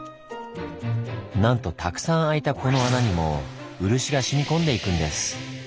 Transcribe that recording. なんとたくさん開いたこの穴にも漆が染み込んでいくんです。